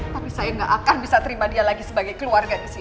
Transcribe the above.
tapi saya nggak akan bisa terima dia lagi sebagai keluarga di sini